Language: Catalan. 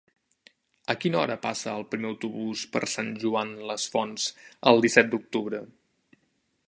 A quina hora passa el primer autobús per Sant Joan les Fonts el disset d'octubre?